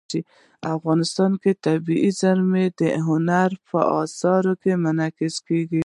افغانستان کې طبیعي زیرمې د هنر په اثار کې منعکس کېږي.